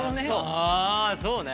あそうね。